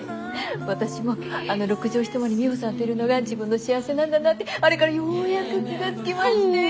私もあの６畳一間にミホさんといるのが自分の幸せなんだなってあれからようやく気が付きまして。